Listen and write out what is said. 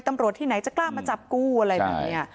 ตำรวจที่ไหนจะกล้ามาจับกูอะไรแบบนี้